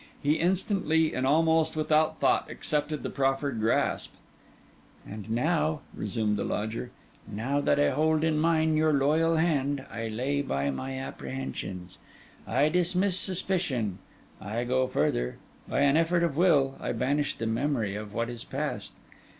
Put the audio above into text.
He instantly, and almost without thought, accepted the proffered grasp. 'And now,' resumed the lodger, 'now that I hold in mine your loyal hand, I lay by my apprehensions, I dismiss suspicion, I go further—by an effort of will, I banish the memory of what is past.